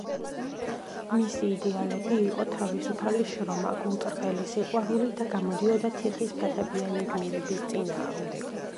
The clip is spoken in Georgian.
მისი იდეალები იყო თავისუფალი შრომა, გულწრფელი სიყვარული და გამოდიოდა „თიხის ფეხებიანი“ გმირების წინააღმდეგ.